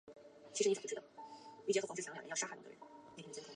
涩荠为十字花科涩荠属下的一个种。